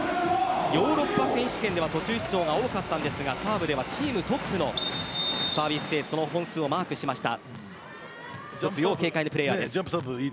ヨーロッパ選手権では途中出場が多かったんですがサーブではチームトップのサービスエースの本数をマークしました。